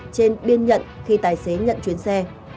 trên biên nhận khi tài xế nhận chuyến xe